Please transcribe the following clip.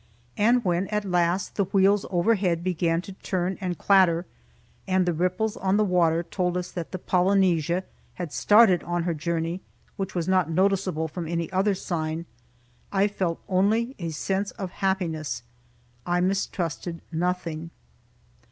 And when at last the wheels overhead began to turn and clatter, and the ripples on the water told us that the "Polynesia" had started on her journey, which was not noticeable from any other sign, I felt only a sense of happiness. I mistrusted nothing.